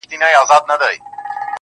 هغه به راسې; جارو کړې ده بیمار کوڅه